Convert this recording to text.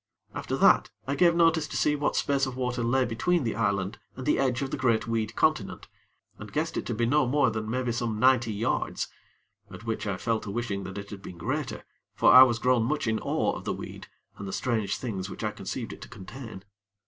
After that, I gave notice to see what space of water lay between the island and the edge of the great weed continent, and guessed it to be no more than maybe some ninety yards, at which I fell to wishing that it had been greater, for I was grown much in awe of the weed and the strange things which I conceived it to contain.